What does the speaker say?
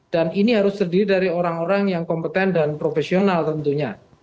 dan ini harus terdiri dari orang orang yang kompeten dan profesional tentunya